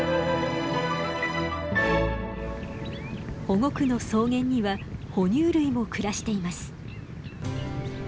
保護区の草原には哺乳類も暮らしています。